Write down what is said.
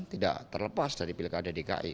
tidak terlepas dari pilkada dki